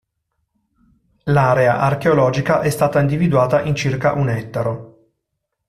L'area archeologica è stata individuata in circa un ettaro.